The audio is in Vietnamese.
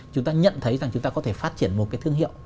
chúng ta nhận thấy rằng chúng ta có thể phát triển một cái thương hiệu